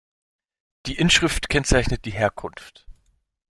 Die Inschrift kennzeichnet die Herkunft.